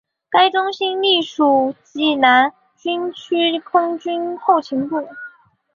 该中心隶属济南军区空军后勤部。